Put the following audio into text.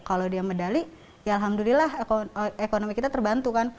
jadi ya alhamdulillah ekonomi kita terbantu kan